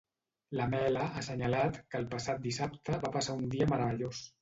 L'Amela ha assenyalat que el passat dissabte va passar un dia meravellós.